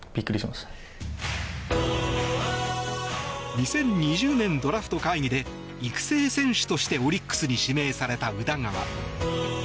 ２０２０年、ドラフト会議で育成選手としてオリックスに指名された宇田川。